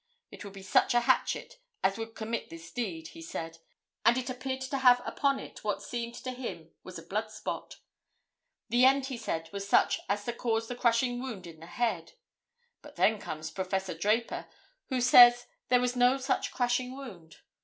It would be such a hatchet as would commit this deed, he said, and it appeared to have upon it what seemed to him was a blood spot. The end he said was such as to cause the crushing wound in the head. But then comes Prof. Draper, who says there was no such crushing wound.